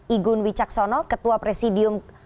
igun wicaksono ketua presidium